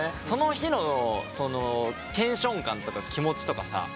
その日のそのテンション感とか気持ちとかさ